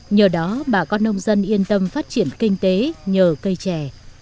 nhờ đó bà con nông dân yên tâm phát triển kinh tế nhờ cây chè